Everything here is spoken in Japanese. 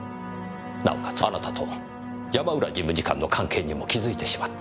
なおかつあなたと山浦事務次官の関係にも気づいてしまった。